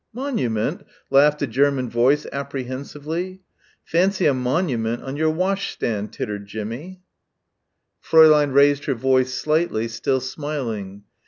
"Monument?" laughed a German voice apprehensively. "Fancy a monument on your washstand," tittered Jimmie. Fräulein raised her voice slightly, still smiling.